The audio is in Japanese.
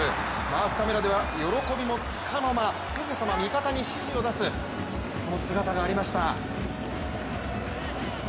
マークカメラでは、喜びもつかの間すぐさま味方に指示を出す姿がありました。